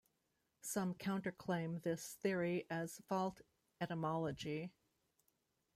Some counterclaim this theory as false etymology.